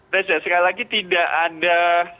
reza sekali lagi tidak ada